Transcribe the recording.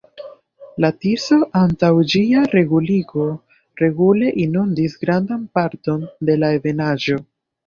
La Tiso antaŭ ĝia reguligo regule inundis grandan parton de la Ebenaĵo.